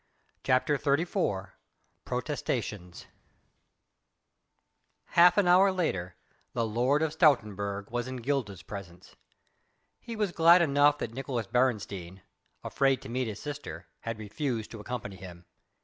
CHAPTER XXXIV PROTESTATIONS Half an hour later, the Lord of Stoutenburg was in Gilda's presence. He was glad enough that Nicolaes Beresteyn afraid to meet his sister had refused to accompany him.